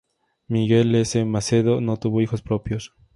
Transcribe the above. Miguel S. Macedo no tuvo hijos propios.